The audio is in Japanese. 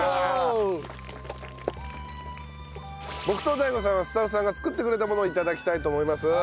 僕とＤＡＩＧＯさんはスタッフさんが作ってくれたものを頂きたいと思います。